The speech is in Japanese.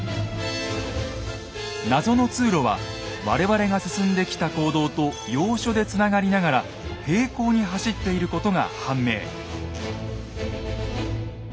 謎の通路は我々が進んできた坑道と要所でつながりながら平行に走っていることが判明。